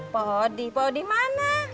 pak odi pak odi mana